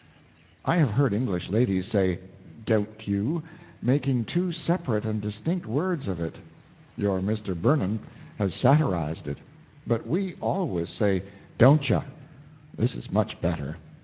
I have heard English ladies say 'don't you' making two separate and distinct words of it; your Mr. Burnand has satirized it. But we always say 'dontchu.' This is much better.